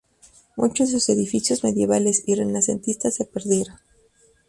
Muchos de sus edificios medievales y renacentistas se perdieron.